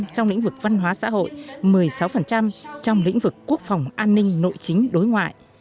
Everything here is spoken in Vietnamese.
một mươi sáu trong lĩnh vực văn hóa xã hội một mươi sáu trong lĩnh vực quốc phòng an ninh nội chính đối ngoại